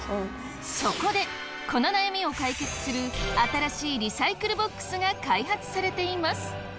そこでこの悩みを解決する新しいリサイクルボックスが開発されています。